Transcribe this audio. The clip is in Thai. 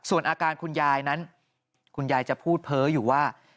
ส่วนอาการคุณยายนั้นคุณยายจะพูดเพ้ออยู่ว่า